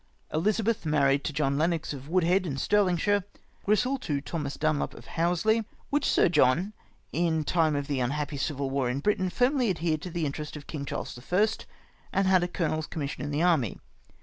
" Elizabeth, married to John Lennox of Woodhead in Stir lingshire. " Grisel, to Thomas Dunlop of Housle. " Which Sir John, in the time of the unhappy Civil War in Britain, firmly adhered to the interest of King Charles I. and had a colonel's commission in the army.